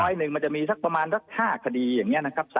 ร้อยหนึ่งมันจะมีสักประมาณ๕คดีอย่างเนี่ยนะครับ